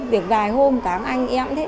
việc vài hôm cám anh em